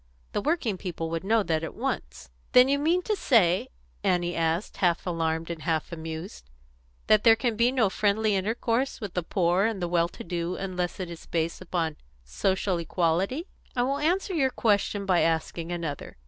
The working people would know that at once." "Then you mean to say," Annie asked, half alarmed and half amused, "that there can be no friendly intercourse with the poor and the well to do unless it is based upon social equality?" "I will answer your question by asking another.